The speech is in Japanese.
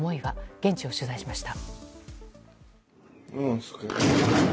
現地を取材しました。